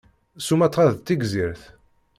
Sumatra d tigzirt.